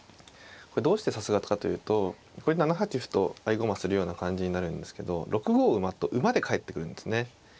これどうしてさすがかというと７八歩と合駒するような感じになるんですけど６五馬と馬で帰って来るんですね。